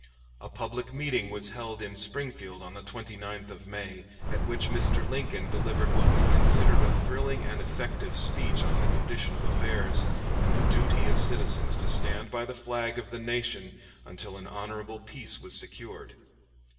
A public meeting was held in Springfield on the 29th of May, at which Mr. Lincoln delivered what was considered a thrilling and effective speech on the condition of affairs, and the duty of citizens to stand by the flag of the nation until an honorable peace was secured.